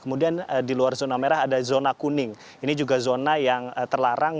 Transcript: kemudian di luar zona merah ada zona kuning ini juga zona yang terlarang